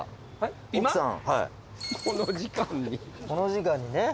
この時間に。